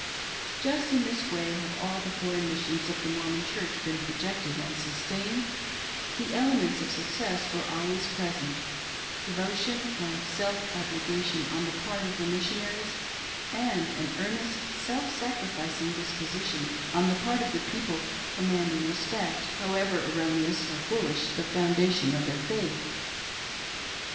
Just in this way have all the foreign missions of the Mormon Church been projected and sustained ; the elements of success were always present — devotion and self abnegation on the part of the missionaries, and an earnest, self sacrificing disposition on the part of the people, commanding respect, however erroneous or foolish the foundation of their faith. 7 lOO THE LORD WILL PROVIDE.